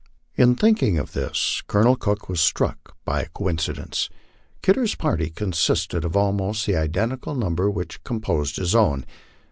In thinking of this, Colonel Cook was struck by a coincidence. Kidder's party consisted of almost the identical number which composed his own.